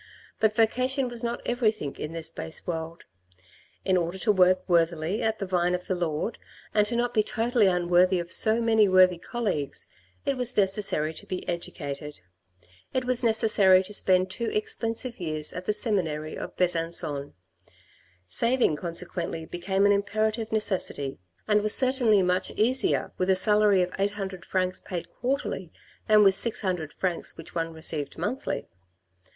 But vocation was not everything in this base world. In order to work worthily at the vine of the Lord, and to be not totally unworthy of so many worthy colleagues, it was necessary to be educated ; it was necessary to spend two expensive years at the seminary of Besancon ; saving consequently became an imperative necessity, and was certainly much easier with a salary of eight hundred francs paid quarterly than with six hundred francs which one received monthly.